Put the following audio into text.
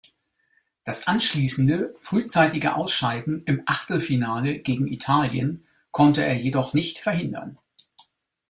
Das anschließende frühzeitige Ausscheiden im Achtelfinale gegen Italien konnte er jedoch nicht verhindern.